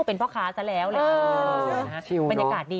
ลุกซิ่นค่ะลุกซิ่นลุกซิ่นเด้อ